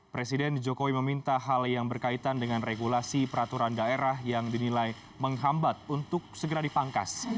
presiden jokowi meminta hal yang berkaitan dengan regulasi peraturan daerah yang dinilai menghambat untuk segera dipangkas